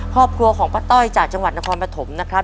ครอบครัวของป้าต้อยจากจังหวัดนครปฐมนะครับ